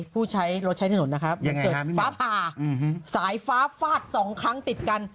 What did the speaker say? ผู้ใช้รถใช้ถนนนะครับรับสายฟ้าฟาด๒ครั้งติดกัน